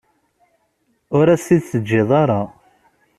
Ur as-t-id-teǧǧiḍ ara.